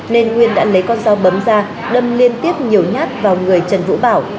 nên nguyên đã lấy con dao bấm ra đâm liên tiếp nhiều nhát vào người trần vũ bảo